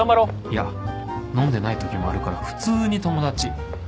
いや飲んでない時もあるから普通に友達